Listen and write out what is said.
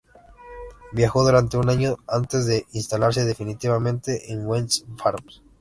Viajó durante un año antes de instalarse definitivamente en West Farms.